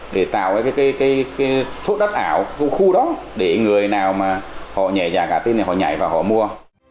để tạo cái số đất ảo của khu đó để người nào mà họ nhảy giả gà tiên này họ nhảy và họ mua